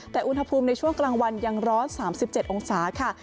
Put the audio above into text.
แต่อุณหภูมิในช่วงกลางวันยังร้อน๓๗องศาค่ะ